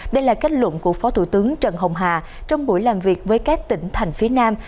đây là kết luận của phó thủ tướng trần hồng hà trong buổi làm việc với các tỉnh thành phía nam